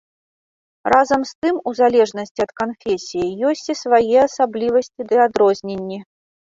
Разам з тым, у залежнасці ад канфесіі, ёсць і свае асаблівасці ды адрозненні.